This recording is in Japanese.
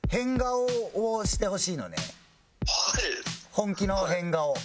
本気の変顔。